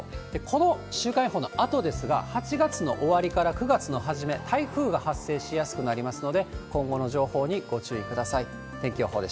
この週間予報のあとですが、８月の終わりから９月の初め、台風が発生しやすくなりますので、今後の情報にご注意ください。